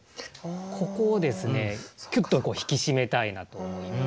ここをですねきゅっと引き締めたいなと思いまして。